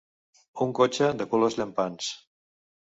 Un cotxe de colors llampants.